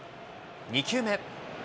２球目。